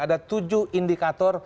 ada tujuh indikator